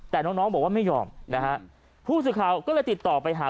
แต่น้องน้องบอกว่าไม่ยอมนะฮะผู้สื่อข่าวก็เลยติดต่อไปหา